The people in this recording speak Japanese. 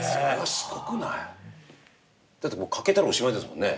すごくない？だって欠けたらおしまいですもんね。